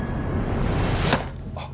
あっ。